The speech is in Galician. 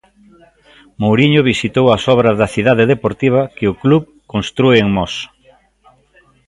Mouriño visitou as obras da Cidade Deportiva que o club constrúe en Mos.